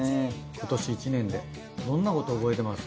今年１年でどんなこと覚えてます？